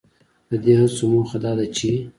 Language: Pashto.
ددې هڅو موخه دا ده چې